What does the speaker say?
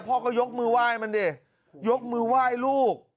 พ่อก็ยกมือไหว้มันดิยกมือไหว้ลูก